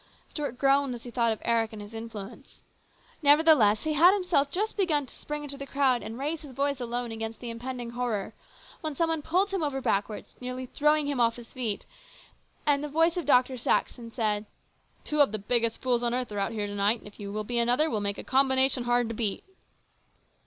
Stuart groaned as he thought of Eric and his influence. Nevertheless, he had himself just begun to spring into the crowd and raise his voice alone against the impending horror, when some one pulled him over backward, nearly throwing him off his feet, and the voice of Dr. Saxon said :" Two of the biggest fools on earth are out here to night, and if you will be another we'll make a combination hard to beat